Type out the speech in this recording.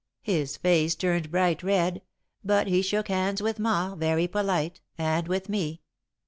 '" "His face turned bright red, but he shook hands with Ma, very polite, and with me.